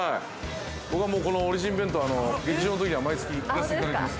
◆僕はこのオリジン弁当、劇場のときには、毎月行かせていただいています。